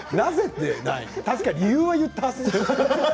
確か理由は言ったはずですよ。